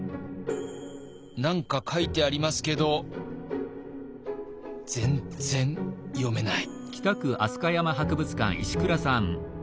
何か書いてありますけど全然読めない。